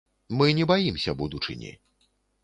Мы не баімся будучыні.